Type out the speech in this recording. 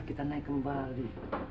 kita naik kembali